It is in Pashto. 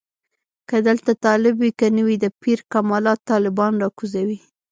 که دلته طالب وي که نه وي د پیر کمالات طالبان راکوزوي.